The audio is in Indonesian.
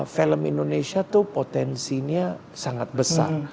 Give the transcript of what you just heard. film indonesia tuh potensinya sangat besar